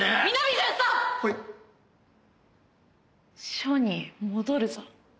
署に戻るぞ。